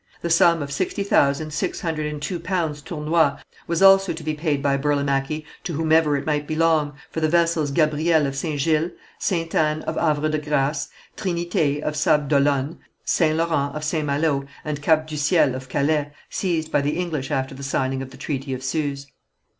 The sum of sixty thousand six hundred and two pounds tournois was also to be paid by Burlamachi to whomever it might belong, for the vessels Gabriel of St. Gilles, Sainte Anne, of Havre de Grâce, Trinité, of Sables d'Olonne, St. Laurent, of St. Malo, and Cap du Ciel, of Calais, seized by the English after the signing of the Treaty of Suze.